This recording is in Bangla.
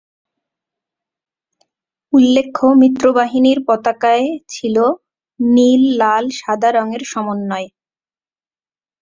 উল্লেখ্য মিত্রবাহিনীর পতাকায় ছিল নীল-লাল-সাদা রঙের সমন্বয়।